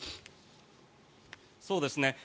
そうですね。